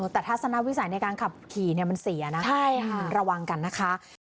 แต่ทัศนวิสัยในการขับขี่มันเสียนะระวังกันนะคะ